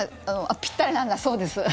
ぴったりなんだそうです。